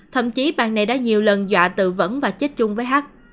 thậm chí bạn này đã nhiều lần dọa tự vẫn và chết chung với h